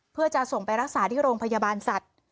เพื่อจะส่งไปรักษาที่โรงพยาบาลสัตว์